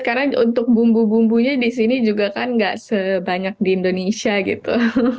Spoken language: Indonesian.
karena untuk bumbu bumbunya di sini juga kan nggak sebanyak di indonesia gitu